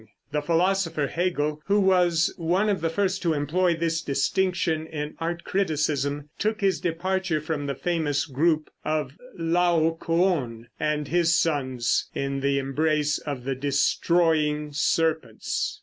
The philosopher Hegel, who was one of the first to employ this distinction in art criticism, took his departure from the famous group of Laocoön and his sons in the embrace of the destroying serpents.